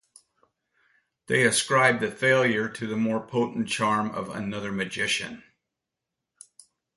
They ascribe the failure to the more potent charm of another magician.